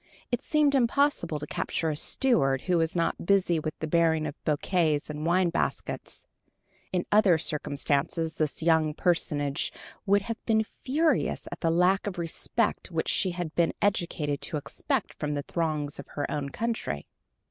It seemed impossible to capture a steward who was not busy with the bearing of bouquets and wine baskets. In other circumstances this young personage would have been furious at the lack of respect which she had been educated to expect from the throngs of her own country.